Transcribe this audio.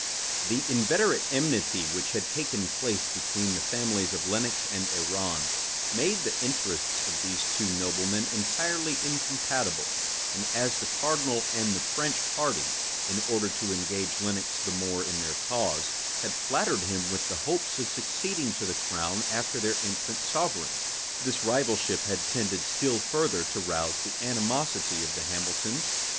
The inveterate enmity which had taken place between the families of Lenox and Arran, made the interests of these two noblemen entirely incompatible; and as the cardinal and the French party, in order to engage Lenox the more in their cause, had flattered him with the hopes of succeeding to the crown after their infant sovereign, this rivalship had tended still further to rouse the animosity of the Hamiltons.